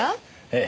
ええ。